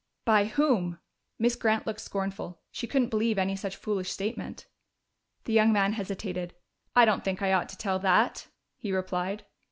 "By whom?" Miss Grant looked scornful: she couldn't believe any such foolish statement. The young man hesitated. "I don't think I ought to tell that," he replied.